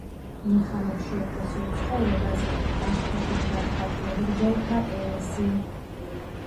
იმ ხანებში ეკლესიურ ცხოვრებას აშფოთებდა ხატმებრძოლთა ერესი.